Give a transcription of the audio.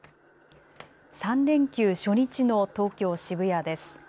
３連休初日の東京渋谷です。